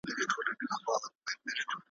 ښار به نه وي یو وطن به وي د مړو ,